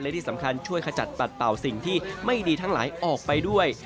และที่สำคัญช่วยขจัดปัดเป่าสิ่งที่ไม่ดีทั้งหลายออกไปด้วย